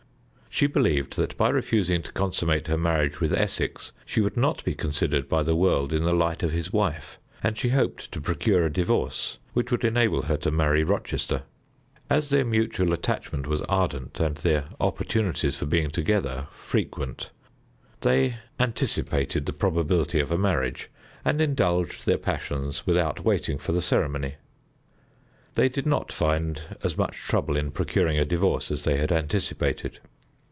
She believed that by refusing to consummate her marriage with Essex she would not be considered by the world in the light of his wife, and she hoped to procure a divorce, which would enable her to marry Rochester. As their mutual attachment was ardent, and their opportunities for being together frequent, they anticipated the probability of a marriage, and indulged their passions without waiting for the ceremony. They did not find as much trouble in procuring a divorce as they had anticipated.